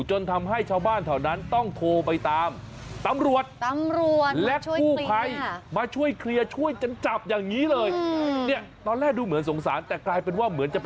จนทำให้ชาวบ้านแถวนั้นต้องโทรไปตามตำรวจ